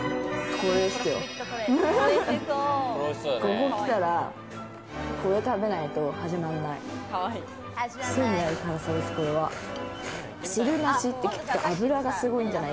ここ来たら、これ食べないと始まんない。